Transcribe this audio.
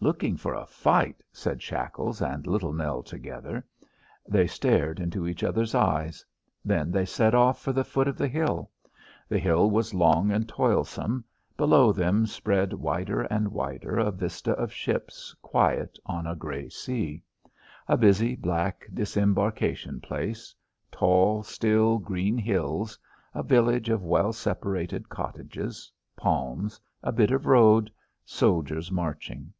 "Looking for a fight!" said Shackles and Little Nell together. They stared into each other's eyes. Then they set off for the foot of the hill. The hill was long and toilsome. Below them spread wider and wider a vista of ships quiet on a grey sea; a busy, black disembarkation place; tall, still, green hills; a village of well separated cottages; palms; a bit of road; soldiers marching.